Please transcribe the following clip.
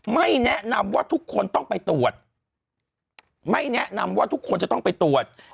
ไม่แนะนำว่าทุกคนต้องไปตรวจไม่แนะนำว่าทุกคนจะต้องไปตรวจ